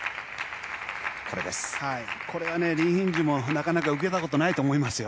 これはリン・インジュもなかなか受けたことがないと思います。